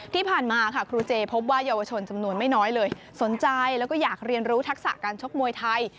ที่ผ่านมาค่ะครูเจพบว่าเยาวชนจำนวนไม่น้อยเลยสนใจแล้วก็อยากเรียนรู้ทักษะการชกมวยไทย